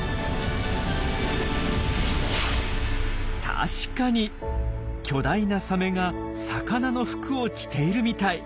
確かに巨大なサメが魚の服を着ているみたい。